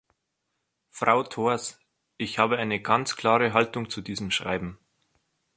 Frau Thors, ich habe eine ganz klare Haltung zu diesem Schreiben.